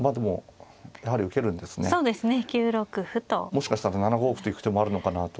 もしかしたら７五歩と行く手もあるのかなと。